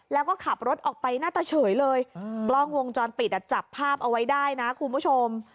แล้วก็ขับรถออกไปหน้าตาเฉยเลยกล้องวงจรปิดอ่ะจับภาพเอาไว้ได้นะคุณผู้ชม